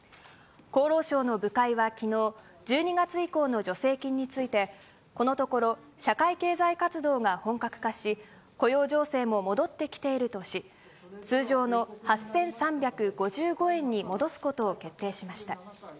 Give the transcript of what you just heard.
厚労省の部会はきのう、１２月以降の助成金について、このところ、社会経済活動が本格化し、雇用情勢も戻ってきているとし、通常の８３５５円に戻すことを決定しました。